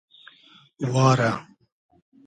وا رۂ